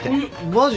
マジ？